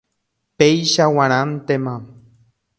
Péicha g̃uarãntema.